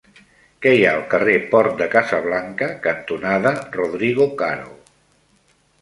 Què hi ha al carrer Port de Casablanca cantonada Rodrigo Caro?